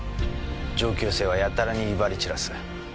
上級生はやたらに威張り散らす。